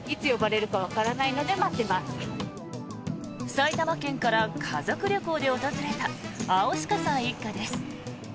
埼玉県から家族旅行で訪れた青鹿さん一家です。